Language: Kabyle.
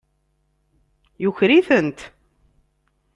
Yuker-itent.